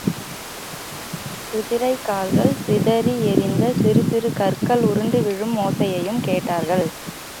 குதிரைக்கால்கள் சிதறி எறிந்த சிறுசிறு கற்கள் உருண்டு விழும் ஓசையையும் கேட்டார்கள்.